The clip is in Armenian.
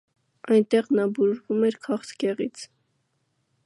Այնտեղ նա բուժվում էր քաղցկեղից։